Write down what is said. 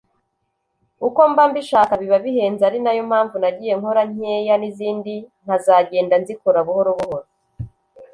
uko mba mbishaka biba bihenze ari nayo mpamvu nagiye nkora nkeya n’izindi nkazagenda nzikora buhoro buhoro